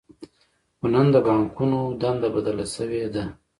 خو نن د بانکونو دنده بدله شوې ده